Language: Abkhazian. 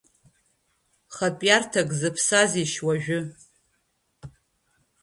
Хатә иарҭак зыԥсазишь уажәы…